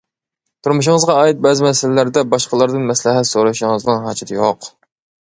تۇرمۇشىڭىزغا ئائىت بەزى مەسىلىلەردە باشقىلاردىن مەسلىھەت سورىشىڭىزنىڭ ھاجىتى يوق.